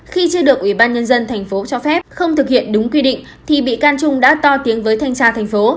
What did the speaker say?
khi chưa được ubnd tp cho phép không thực hiện đúng quy định thì bị can trung đã to tiếng với thanh tra tp